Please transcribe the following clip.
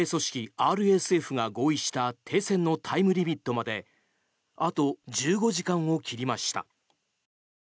ＲＳＦが合意した停戦のタイムリミットまであと１５時間を切りました。